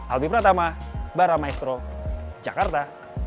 albi pratama baramaestro jakarta